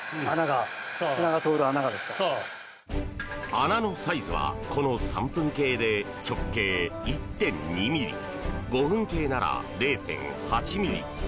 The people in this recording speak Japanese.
穴のサイズはこの３分計で直径１．２ｍｍ５分計なら０．８ｍｍ。